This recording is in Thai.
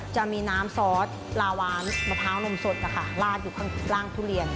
จะมีน้ำซอสลาวานมะพร้าวนมสดลาดอยู่ข้างล่างทุเรียน